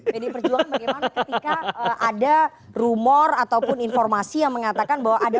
pdi perjuangan bagaimana ketika ada rumor ataupun informasi yang mengatakan bahwa ada